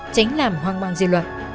tránh làm hoang mạng di luận